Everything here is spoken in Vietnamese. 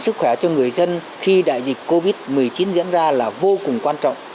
sức khỏe cho người dân khi đại dịch covid một mươi chín diễn ra là vô cùng quan trọng